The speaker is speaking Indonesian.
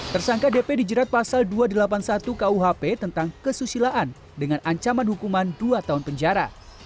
tersangka dp dijerat pasal dua ratus delapan puluh satu kuhp tentang kesusilaan dengan ancaman hukuman dua tahun penjara